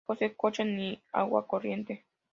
No posee coche ni agua corriente.